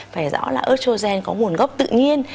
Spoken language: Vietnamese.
phải rõ là estrogen có nguồn gốc tự nhiên